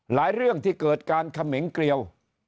เรื่องที่เกิดการเขมงเกลียว